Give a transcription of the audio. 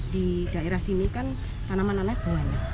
di daerah sini kan tanaman nanas bawahnya